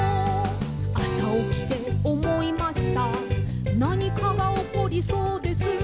「あさおきておもいましたなにかがおこりそうです」